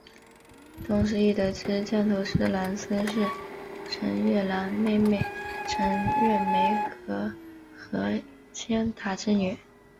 同时亦得知降头师蓝丝是陈月兰妹妹陈月梅和何先达之女。